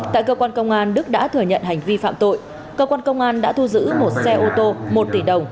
tại cơ quan công an đức đã thừa nhận hành vi phạm tội cơ quan công an đã thu giữ một xe ô tô một tỷ đồng